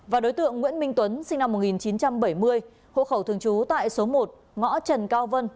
và đối tượng nguyễn minh tuấn sinh năm một nghìn chín trăm bảy mươi hộ khẩu thường trú tại số một ngõ trần cao vân